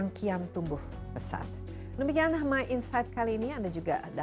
aku aja ngga beribadah tapi nanti pandemi gst jelek ya